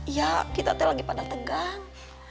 ya kita teh lagi pada tegang